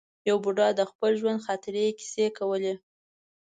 یو بوډا د خپل ژوند د خاطرې کیسې کولې.